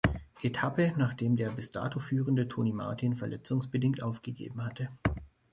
Etappe, nachdem der bis dato führende Tony Martin verletzungsbedingt aufgegeben hatte.